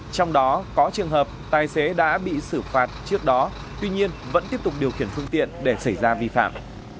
trong đó có trường hợp tài xế đã bị xử phạt trước đó tuy nhiên vẫn tiếp tục điều khiển phương tiện để xảy ra vi phạm